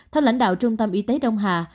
theo lãnh đạo trung tâm y tế đông hà